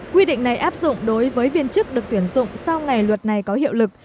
quy định này áp dụng đối với viên chức được tuyển dụng sau ngày luật này có hiệu lực